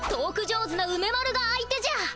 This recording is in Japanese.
上手な梅丸が相手じゃ。